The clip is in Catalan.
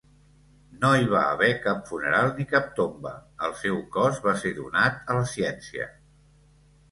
No hi va haver cap funeral ni cap tomba, el seu cos va ser donat a la ciència.